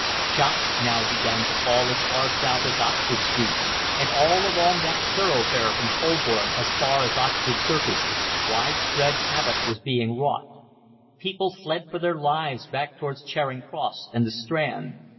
Shots now began to fall as far south as Oxford Street, and all along that thoroughfare from Holborn as far as Oxford Circus, widespread havoc was being wrought. People fled for their lives back towards Charing Cross and the Strand.